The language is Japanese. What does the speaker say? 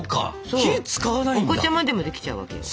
おこちゃまでもできちゃうわけよ。